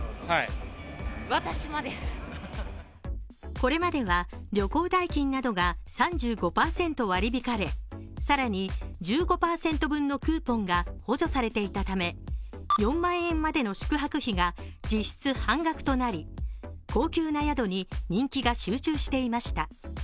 これまでは旅行代金などが３５％割り引かれ更に１５％分のクーポンが補助されていたため、４万円までの宿泊費が実質半額となり高級な宿に人気が集中していました。